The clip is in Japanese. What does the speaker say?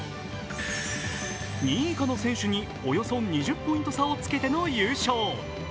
２位以下の選手におよそ２０ポイントの差をつけて優勝。